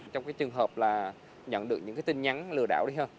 trong cái trường hợp là nhận được những cái tin nhắn lừa đảo đi hơn